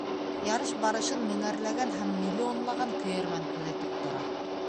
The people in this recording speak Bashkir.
Ярыш барышын меңәрләгән һәм миллионлаған көйәрмән күҙәтеп тора.